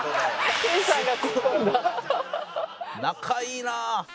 仲いいな。